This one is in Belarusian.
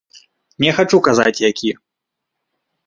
Не хачу казаць які.